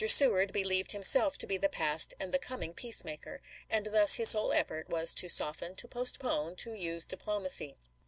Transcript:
Seward believed himself to be the past and the coming peacemaker ; and thus his whole effort was to soften, to postpone, to use diplomacy.